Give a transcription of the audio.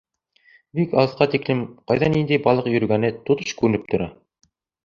Бик алыҫҡа тиклем ҡайҙа ниндәй балыҡ йөрөгәне тотош күренеп тора.